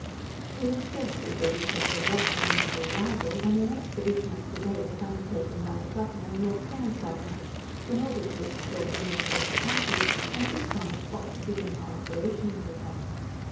We had scarcely bid each other welcome on our arrival, when an expedition up the Bay was undertaken by the Governor and Lieutenant Governor, in order to explore the nature of the country, and fix on a spot to begin our operations upon.